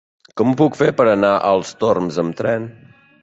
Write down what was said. Com ho puc fer per anar als Torms amb tren?